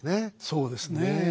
そうですね。